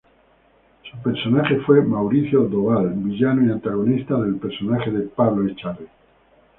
Su personaje fue Mauricio Doval, villano y antagonista del personaje de Pablo Echarri.